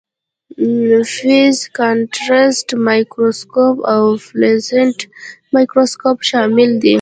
فیز کانټرسټ مایکروسکوپ او فلورسینټ مایکروسکوپ شامل دي.